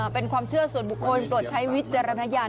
เป็นความเชื่อส่วนบุคคลโปรดใช้วิจารณญาณ